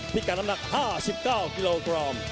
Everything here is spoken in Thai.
พี่กันนัก๕๙กิโลกรัม